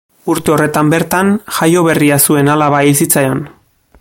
Urte horretan bertan, jaio berria zuen alaba hil zitzaion.